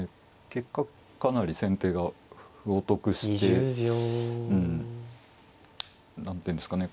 結果かなり先手が歩を得してうん何ていうんですかね